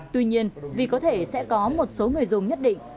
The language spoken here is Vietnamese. tuy nhiên vì có thể sẽ có một số người dùng nhất định